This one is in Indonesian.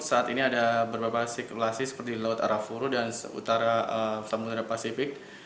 saat ini ada berbagai sirkulasi seperti di laut arafuru dan utara samudera pasifik